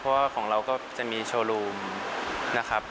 เพราะว่าของเราก็จะมีโชว์รูมนะครับ